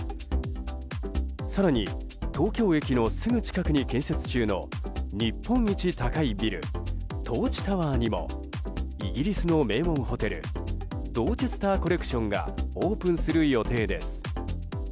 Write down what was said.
更に、東京駅のすぐ近くに建設中の日本一高いビルトーチタワーにもイギリスの名門ホテルドーチェスター・コレクションがオープンする予定です。